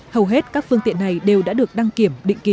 hầu hết các phương tiện này đều đã được đăng kiểm định kỳ